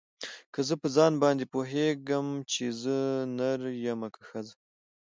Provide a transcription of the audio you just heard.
که زه په ځان باندې پوهېږم چې زه نر يمه که ښځه.